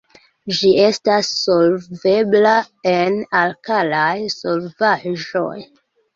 Ĝi estas solvebla en alkalaj solvaĵoj.